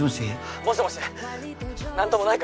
☎もしもし何ともないか？